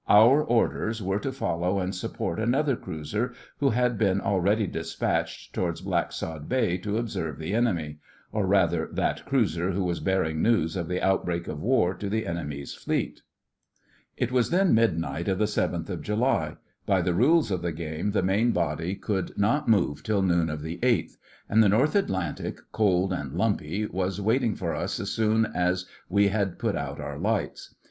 Our orders were to follow and support another cruiser who had been already despatched towards Blacksod Bay to observe the enemy—or rather that cruiser who was bearing news of the outbreak of War to the enemy's Fleet. It was then midnight of the 7th of July—by the rules of the game the main body could not move till noon of the 8th—and the North Atlantic, cold and lumpy, was waiting for us as soon as we had put out our lights.